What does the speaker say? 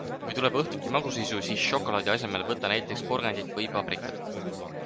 Kui tuleb õhtuti magusaisu, siis šokolaadi asemel võta näiteks porgandit või paprikat.